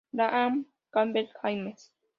Graham-Campbell, James.